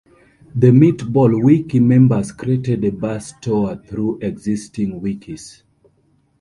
The MeatballWiki members created a "bus tour" through existing wikis.